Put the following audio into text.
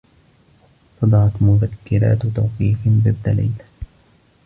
صدرت مذكّرات توقيف ضدّ ليلى.